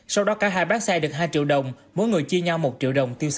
sau đó cả hai bán xe được hai triệu đồng mỗi người chia nhau một triệu đồng tiêu xài